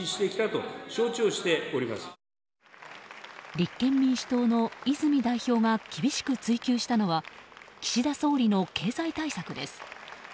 立憲民主党の泉代表が厳しく追及したのは岸田総理の経済対策です。